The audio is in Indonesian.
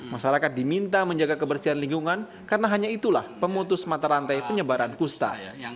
masyarakat diminta menjaga kebersihan lingkungan karena hanya itulah pemutus mata rantai penyebaran pusta